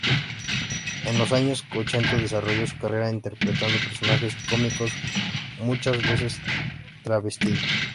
En los años ochenta desarrolló su carrera, interpretando personajes cómicos, muchas veces travestido.